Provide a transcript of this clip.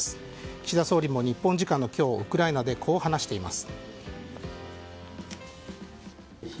岸田総理も日本時間の今日ウクライナでこう話しています。